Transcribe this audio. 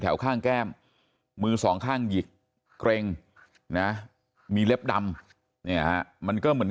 ข้างแก้มมือสองข้างหยิกเกร็งนะมีเล็บดำเนี่ยฮะมันก็เหมือน